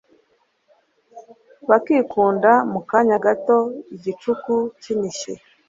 bakinduka mu kanya gato, igicuku kinishye